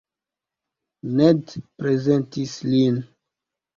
Ned prezentis lin.